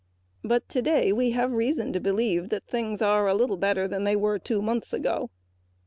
Today we have reason to believe that things are a little better than they were two months ago.